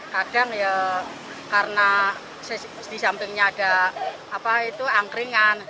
kadang ya karena di sampingnya ada angkringan